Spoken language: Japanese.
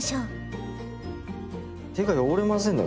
手が汚れませんね